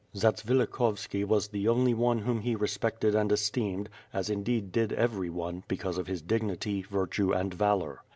Zatsvilikhovski was the only one whom he respected and esteemed, as indeed did every one, because of his dignity, virtue, and valor.